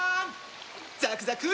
ザクザク！